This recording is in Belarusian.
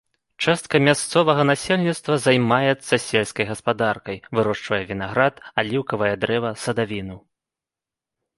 Частка мясцовага насельніцтва займаецца сельскай гаспадаркай, вырошчвае вінаград, аліўкавае дрэва, садавіну.